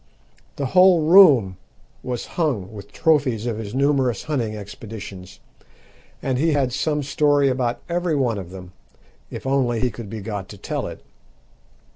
The whole room was hung with trophies of his numerous hunting expeditions, and he had some story about every one of them, if only he could be got to tell it.